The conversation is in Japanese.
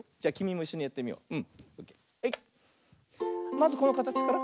まずこのかたちから。